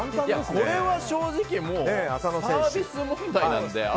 これは正直サービス問題なんで。